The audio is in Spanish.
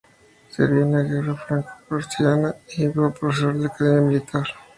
Sirvió en la guerra franco-prusiana y fue profesor de la Academia Militar.